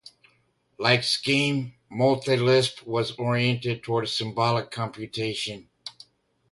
Like Scheme, MultiLisp was oriented toward symbolic computation.